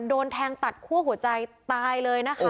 โดนแทงตัดคั่วหัวใจตายเลยนะคะ